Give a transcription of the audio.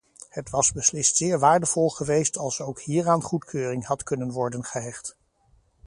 Het was beslist zeer waardevol geweest als ook hieraan goedkeuring had kunnen worden gehecht.